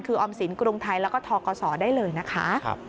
คือออมสินกรุงไทยแล้วก็ทกศได้เลยนะคะ